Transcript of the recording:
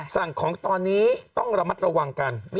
สั่งของตอนนี้ต้องระมัดระวังกัน